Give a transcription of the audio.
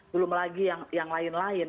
belum lagi yang lain lain